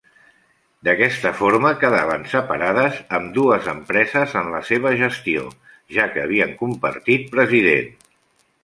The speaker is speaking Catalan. D'aquesta forma quedaven separades ambdues empreses en la seva gestió, ja que havien compartit president.